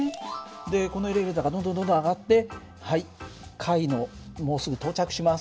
でこのエレベーターがどんどんどんどん上がってはい階のもうすぐ到着します。